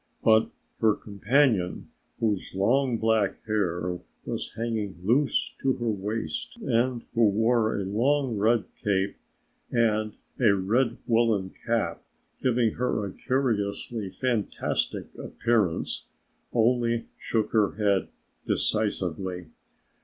But her companion, whose long black hair was hanging loose to her waist and who wore a long red cape and a red woolen cap giving her a curiously fantastic appearance, only shook her head decisively.